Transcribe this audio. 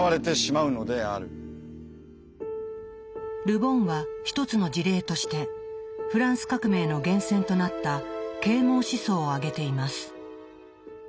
ル・ボンは一つの事例としてフランス革命の源泉となった「啓蒙思想」を挙げています。